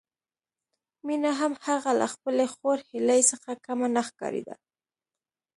مينه هم هغه له خپلې خور هيلې څخه کمه نه ښکارېده